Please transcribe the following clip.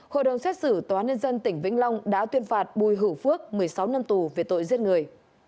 hội đồng xét xử tòa nhân dân tỉnh vĩnh long đã tuyên phạt bùi hữu phước một mươi sáu năm tù về tội giết người